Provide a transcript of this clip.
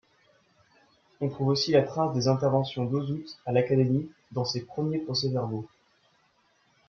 On trouve aussi la trace des interventions d'Auzout à l'Académie dans ses premiers procès-verbaux.